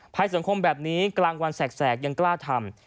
สังคมแบบนี้กลางวันแสกยังกล้าทำ